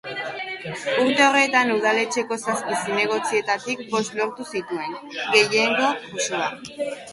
Urte horretan Udaletxeko zazpi zinegotzietatik bost lortu zituen, gehiengo osoa.